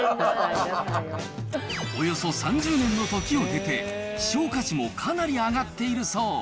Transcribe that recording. およそ３０年の時を経て、希少価値もかなり上がっているそう。